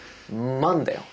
「万」だよ！